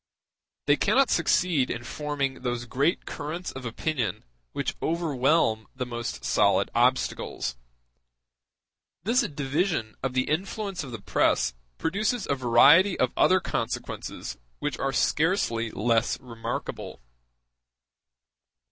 They cannot succeed in forming those great currents of opinion which overwhelm the most solid obstacles. This division of the influence of the press produces a variety of other consequences which are scarcely less remarkable.